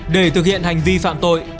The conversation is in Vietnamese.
để thực hiện hành vi phạm tội